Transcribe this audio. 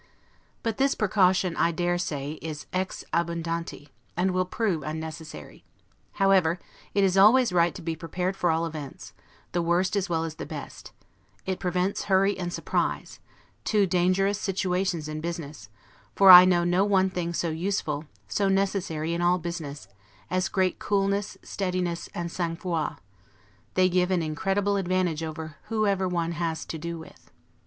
But this precaution, I dare say, is 'ex abundanti', and will prove unnecessary; however, it is always right to be prepared for all events, the worst as well as the best; it prevents hurry and surprise, two dangerous, situations in business; for I know no one thing so useful, so necessary in all business, as great coolness, steadiness, and sangfroid: they give an incredible advantage over whoever one has to do with.